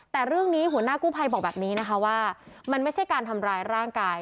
แต่เรื่องนี้หัวหน้ากู้ภัยบอกแบบนี้นะคะว่ามันไม่ใช่การทำร้ายร่างกาย